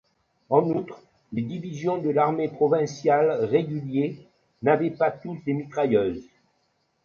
En outre, les divisions de l'armée provinciales réguliers n'avaient pas tous des mitrailleuses.